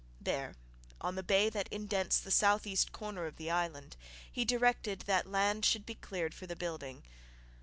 There, on the bay that indents the south east corner of the island, he directed that land should be cleared for the building.